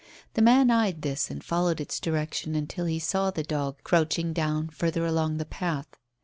The man eyed this and followed its direction until he saw the dog crouching down further along the path.